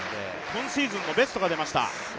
今シーズンのベストが出ました。